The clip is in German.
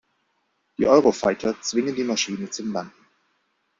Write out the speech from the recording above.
Die Eurofighter zwingen die Maschine zum Landen.